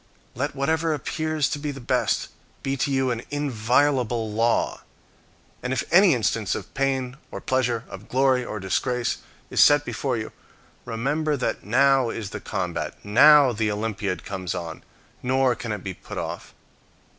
Let whatever appears to be the best be to you an inviolable law. And if any instance of pain or pleasure, or glory or disgrace, is set before you, remember that now is the combat, now the Olympiad comes on, nor can it be put off.